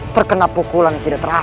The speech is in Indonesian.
terkena pukulan yang tidak terang